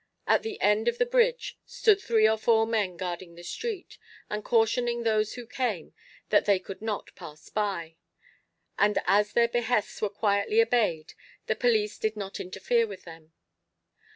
At the end of the bridge stood three or four men guarding the street, and cautioning those who came, that they could not pass by; and as their behests were quietly obeyed the police did not interfere with them.